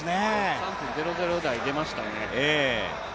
３分００台出ましたね。